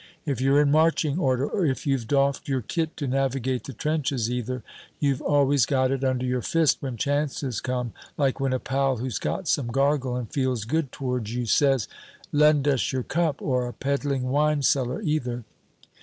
If you're in marching order, or if you've doffed your kit to navigate the trenches either, you've always got it under your fist when chances come, like when a pal who's got some gargle, and feels good towards you says, 'Lend us your cup,' or a peddling wine seller, either.